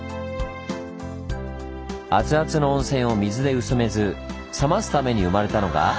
熱々の温泉を水で薄めず冷ますために生まれたのが。